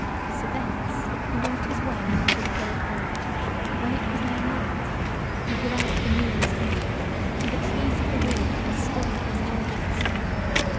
Sithence he went his way into the pillared hall, when it was now night, and without the moon was up, and the trees of the wood as still as images.